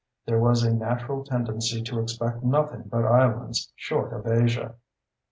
There was a natural tendency to expect nothing but islands short of Asia.